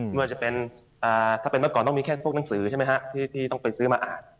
ไม่ว่าจะเป็นถ้าเป็นเมื่อก่อนต้องมีแค่พวกหนังสือใช่ไหมฮะที่ต้องไปซื้อมาอ่าน